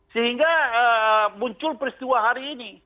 sehingga muncul peristiwa hari ini